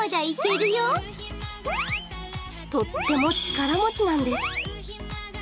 とっても力持ちなんです。